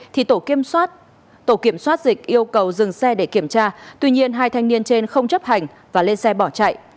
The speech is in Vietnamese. tổ kiểm soát dịch yêu cầu dừng xe để kiểm tra tuy nhiên hai thanh niên trên không chấp hành và lên xe bỏ chạy